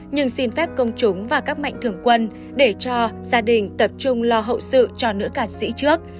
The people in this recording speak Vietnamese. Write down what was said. nhưng xin phép công chúng và các mạnh thường quân để cho gia đình tập trung lo hậu sự cho nữ ca sĩ trước